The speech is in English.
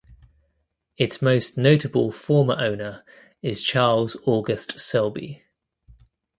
Its most notable former owner is Charles August Selby.